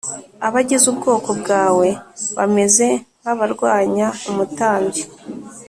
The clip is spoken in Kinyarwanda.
Abagize Ubwoko Bwawe Bameze Nk Abarwanya Umutambyi